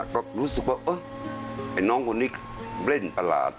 ก็รู้สึกว่าไอ้น้องคนนี้เล่นประหลาด